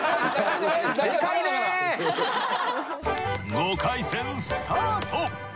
５回戦スタート。